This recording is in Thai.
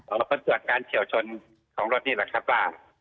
อ๋อเพื่อตรวจการเฉียวชนของรถนี้แหละครับพ่อ